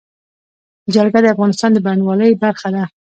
جلګه د افغانستان د بڼوالۍ برخه ده.